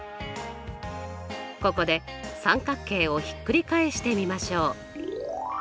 ここで三角形をひっくり返してみましょう。